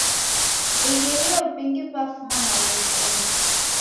Vighirio vingi vafuma magheshonyi.